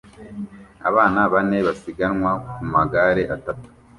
Abana bane basiganwa ku magare atatu